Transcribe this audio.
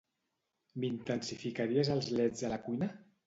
M'intensificaries els leds a la cuina?